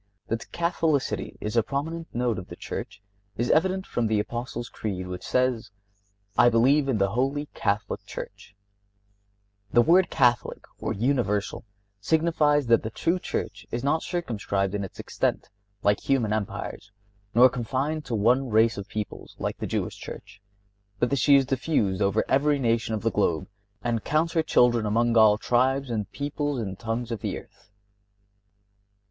That Catholicity is a prominent note of the Church is evident from the Apostles' Creed, which says: "I believe in the Holy Catholic Church." The word Catholic, or Universal, signifies that the true Church is not circumscribed in its extent, like human empires, nor confined to one race of people, like the Jewish Church, but that she is diffused over every nation of the globe, and counts her children among all tribes and peoples and tongues of the earth.